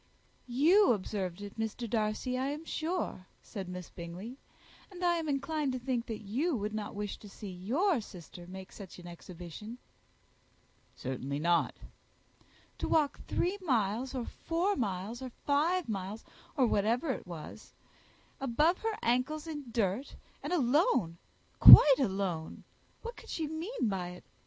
"You observed it, Mr. Darcy, I am sure," said Miss Bingley; "and I am inclined to think that you would not wish to see your sister make such an exhibition." "Certainly not." "To walk three miles, or four miles, or five miles, or whatever it is, above her ancles in dirt, and alone, quite alone! what could she mean by it?